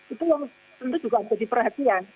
itu yang tentu juga jadi perhatian